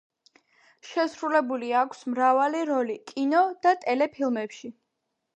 შესრულებული აქვს მრავალი როლი კინო და ტელე ფილმებში.